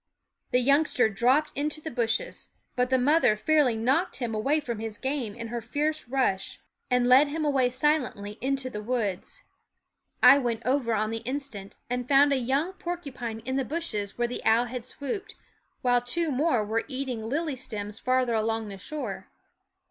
The youngster dropped into the bushes ; but the mother fairly knocked him away from his game in her fierce rush, and led him away silently into the woods. I went over on the instant, and found a young porcupine in the bushes where the owl had swooped, while two more were eating lily stems farther along the shore.